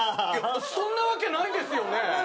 そんなわけないですよね？